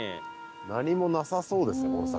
何もなさそうですねこの先。